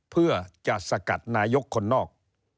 เพื่อจะสกัดนายกคนนอก